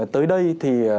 tới đây thì